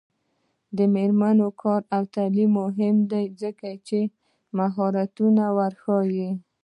د میرمنو کار او تعلیم مهم دی ځکه چې مهارتونه ورښيي.